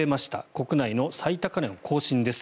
国内の最高値を更新です。